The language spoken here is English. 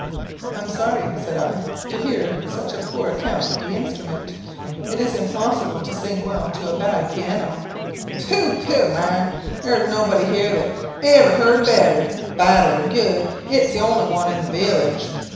"I am sorry," said I, "to hear such a poor account of the instrument. It is impossible to sing well to a bad piano " "Phoo, phoo, man! there's nobody here that ever he'rd a better. Bad or good, it's the only one in the village.